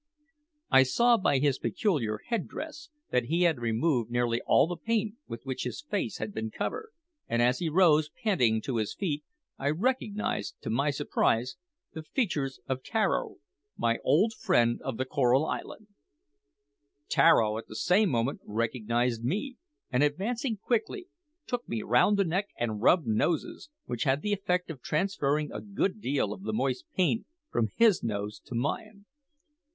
I saw by his peculiar head dress that he was the chief whom the tribe entertained as their guest. The sea water had removed nearly all the paint with which his face had been covered, and as he rose panting to his feet, I recognised, to my surprise, the features of Tararo, my old friend of the Coral Island! Tararo at the same moment recognised me, and advancing quickly, took me round the neck and rubbed noses, which had the effect of transferring a good deal of the moist paint from his nose to mine.